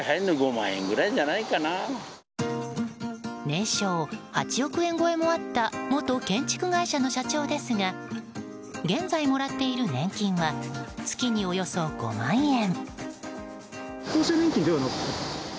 年商８億円超えもあった元建築会社の社長ですが現在、もらっている年金額は月におよそ５万円。